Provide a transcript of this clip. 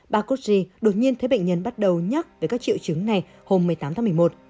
bà gauthier đột nhiên thấy bệnh nhân bắt đầu nhắc về các triệu chứng này hôm một mươi tám tháng một mươi một